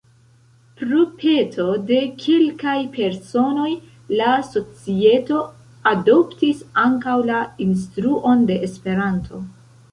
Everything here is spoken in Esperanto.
Pro peto de kelkaj personoj, la societo adoptis ankaŭ la instruon de Esperanto.